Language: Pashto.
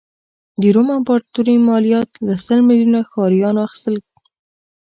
د روم امپراتوري مالیات له سل میلیونه ښاریانو اخیستل.